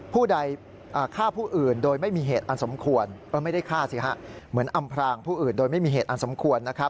ผู้ใดฆ่าผู้อื่นโดยไม่มีเหตุอันสมควร